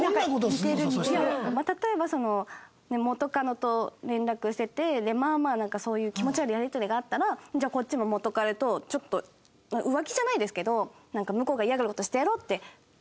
例えば元カノと連絡しててまあまあなんかそういう気持ち悪いやり取りがあったらじゃあこっちも元カレとちょっと浮気じゃないですけど向こうが嫌がる事してやろうって計画を企てて。